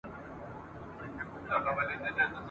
که ښځي نالوسته پاته سي، اقتصاد مو هم زیانمن کيږي.